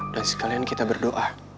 dan sekalian kita berdoa